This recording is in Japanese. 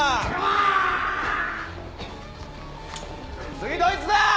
次どいつだ！